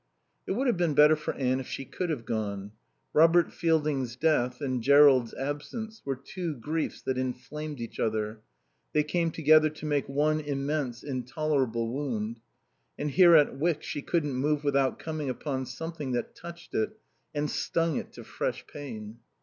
It would have been better for Anne if she could have gone. Robert Fielding's death and Jerrold's absence were two griefs that inflamed each other; they came together to make one immense, intolerable wound. And here at Wyck, she couldn't move without coming upon something that touched it and stung it to fresh pain.